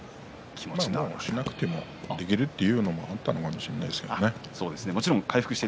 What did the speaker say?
しなくてもできるというのもあったのかもしれませんね。